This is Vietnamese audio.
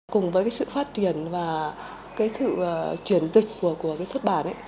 cùng với sự phát triển và sự chuyển dịch của xuất bản